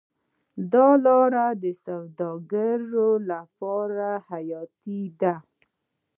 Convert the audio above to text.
دا لاره د سوداګرۍ لپاره حیاتي ده.